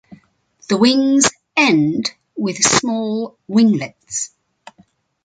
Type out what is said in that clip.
The wings end with small winglets.